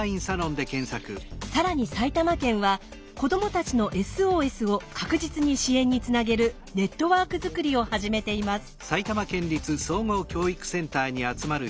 更に埼玉県は子どもたちのＳＯＳを確実に支援につなげるネットワークづくりを始めています。